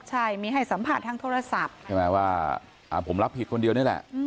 ใช่มีให้สัมภาษณ์ทางโทรศัพท์ใช่ไหมว่าผมรับผิดคนเดียวนี่แหละ